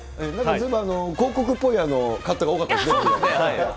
ずいぶん広告っぽいカットが多かったですね。